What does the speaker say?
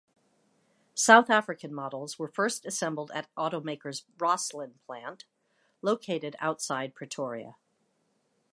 South African models were first assembled at Automaker's Rosslyn plant, located outside Pretoria.